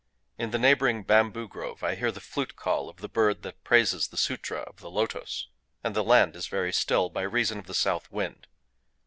In the neighboring bamboo grove I hear the flute call of the bird that praises the Sûtra of the Lotos; and the land is very still by reason of the south wind.